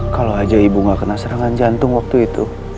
kalau aja ibu nggak kena serangan jantung waktu itu